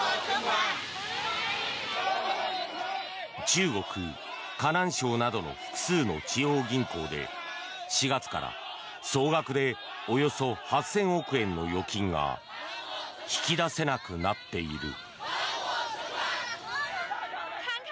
中国・河南省などの複数の地方銀行で４月から、総額でおよそ８０００億円の預金が引き出せなくなっている。